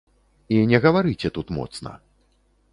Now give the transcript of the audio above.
І не гаварыце тут моцна.